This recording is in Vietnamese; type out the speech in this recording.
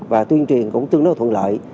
và tuyên truyền cũng tương đối là thuận lợi